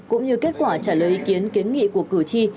cũng như kết quả trả lời ý kiến kiến nghị của cử tri